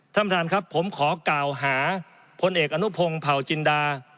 ท่านประธานครับผมขอกล่าวหาพลเอกอนุพงศ์เผาจินดา